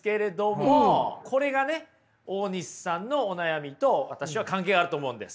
これがね大西さんのお悩みと私は関係あると思うんです。